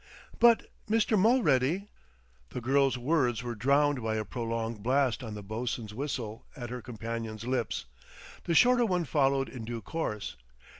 "But, Mr. Mulready " The girl's words were drowned by a prolonged blast on the boatswain's whistle at her companion's lips; the shorter one followed in due course.